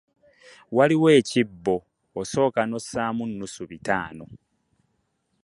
Waliwo ekibbo osooka n'ossaamu nnusu bitaano.